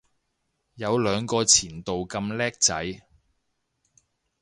有兩個前度咁叻仔